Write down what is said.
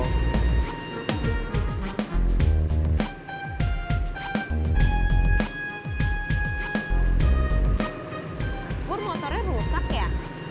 mas pur motornya rusak ya